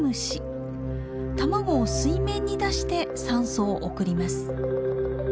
卵を水面に出して酸素を送ります。